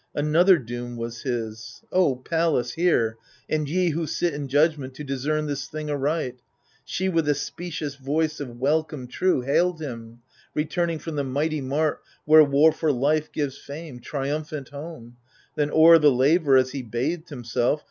Another doom Was his : O Pallas, hear, and ye who sit In judgment, to discern this thing aright !— She with a specious voice of welcome true Hailed him, returning from the mighty mart Where war for life gives fame, triumphant home ; Then o'er the laver, as he bathed himself.